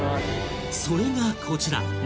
それがこちら！